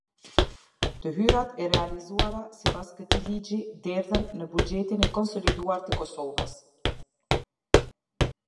Të hyrat e realizuara sipas këtij ligji derdhen në Buxhetin e Konsoliduar të Kosovës.